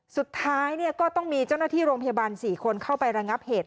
สุดท้ายก็ต้องมีเจ้าหน้าที่โรงพยาบาล๔คนเข้าไประงับเหตุ